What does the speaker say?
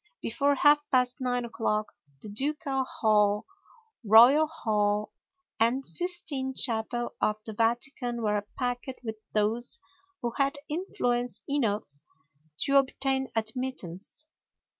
Before half past 9 o'clock the Ducal Hall, Royal Hall, and Sistine Chapel of the Vatican were packed with those who had influence enough to obtain admittance.